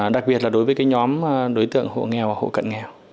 đặc biệt là đối với cái nhóm đối tượng hộ nghèo và hộ cận nghèo